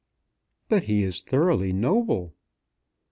"But he is thoroughly noble."